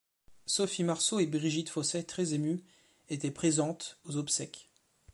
Sophie Marceau et Brigitte Fossey, très émues, étaient présentes aux obsèques.